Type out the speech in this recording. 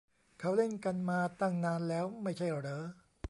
เขาเล่นกันมาตั้งนานแล้วไม่ใช่เหรอ